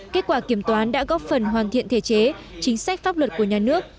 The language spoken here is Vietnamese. kết quả kiểm toán đã góp phần hoàn thiện thể chế chính sách pháp luật của nhà nước